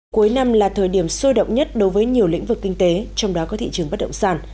cuối năm là thời điểm sôi động nhất đối với nhiều lĩnh vực kinh tế trong đó có thị trường bất động sản